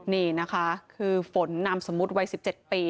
นี่นะคะคือฝนนามสมมุติวัย๑๗ปี